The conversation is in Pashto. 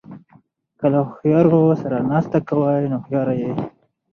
که له هوښیارو سره ناسته کوئ؛ نو هوښیار يې.